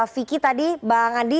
vicky tadi bang andi